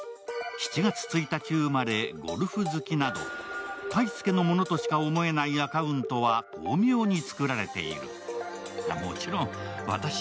７月１日生まれ、ゴルフ好きなど泰介のものとしか思えないアカウントは巧妙に作られている。